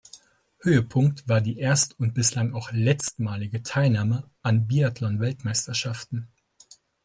Höhepunkt war die erst- und bislang auch letztmalige Teilnahme an Biathlon-Weltmeisterschaften.